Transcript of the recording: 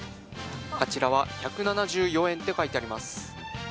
あちらは１７４円って書いてあります。